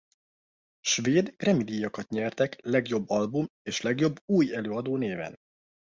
Svéd Grammy-díjakat nyertek legjobb album és legjobb új előadó néven.